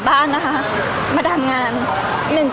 พี่ตอบได้แค่นี้จริงค่ะ